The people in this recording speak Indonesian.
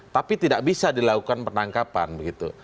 tapi tidak bisa dilakukan penangkapan begitu